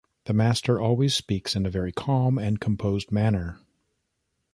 The master always speaks in a very calm and composed manner.